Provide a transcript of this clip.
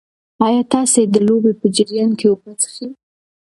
ایا تاسي د لوبې په جریان کې اوبه څښئ؟